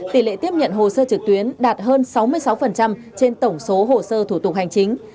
tỷ lệ tiếp nhận hồ sơ trực tuyến đạt hơn sáu mươi sáu trên tổng số hồ sơ thủ tục hành chính